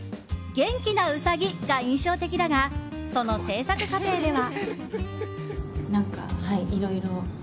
元気なウサギが印象的だがその制作過程では。